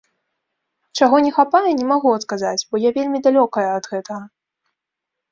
Чаго не хапае, не магу адказаць, бо я вельмі далёкая ад гэтага!